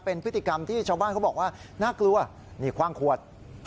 เป็นพฤติกรรมที่ชาวบ้านเขาบอกว่าน่ากลัวนี่คว่างขวด